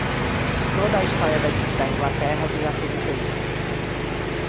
Toda a história da Inglaterra desacredita isso.